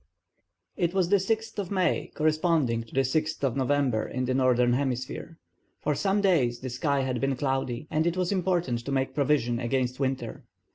It was the 6th of May, corresponding to the 6th of November in the Northern Hemisphere. For some days the sky had been cloudy, and it was important to make provision against winter.